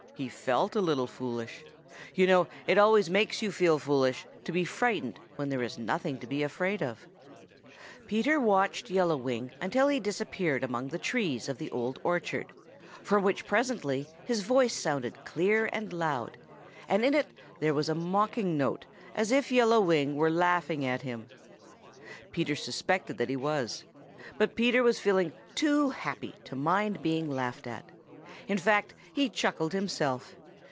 He felt a little foolish. You know it always makes you feel foolish to be frightened when there is nothing to be afraid of. Peter watched Yellow Wing until he disappeared among the trees of the Old Orchard, from which presently his voice sounded clear and loud, and in it there was a mocking note as if Yellow Wing were laughing at him. Peter suspected that he was. But Peter was feeling too happy to mind being laughed at. In fact, he chuckled himself.